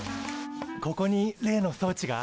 ここに例の装置が？